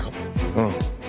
うん。